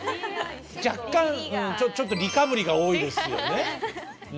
若干ちょっと「り」かぶりが多いですよね。